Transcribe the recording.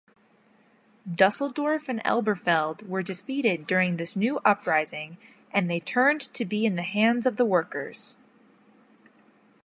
Dusseldorf and Elberfeld were defeated during this new uprising and they turned to be in the hands of the workers.